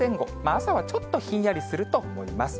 朝はちょっとひんやりすると思います。